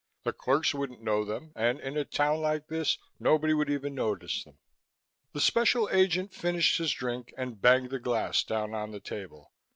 The clerks wouldn't know them and in a town like this nobody would even notice them." The Special Agent finished his drink and banged the glass down on the table.